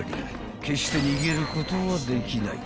［決して逃げることはできない］